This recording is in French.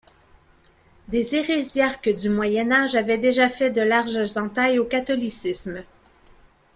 Les hérésiarques du moyen-âge avaient déjà fait de larges entailles au catholicisme.